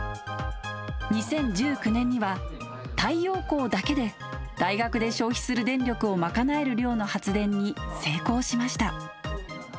２０１９年には太陽光だけで大学で消費する電力を賄える量の発電に成功しました。